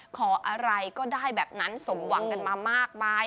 ขออะไรก็ได้แบบนั้นสมหวังกันมามากมาย